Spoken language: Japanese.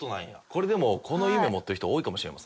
これでもこの夢持ってる人多いかもしれませんね。